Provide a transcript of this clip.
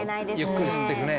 ゆっくり吸ってくね。